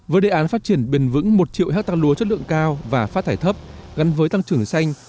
với đề án phát triển bền vững một triệu hectare lúa chất lượng cao và phát thải thấp gắn với tăng trưởng xanh